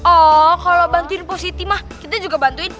oh kalau bantuin positif mah kita juga bantuin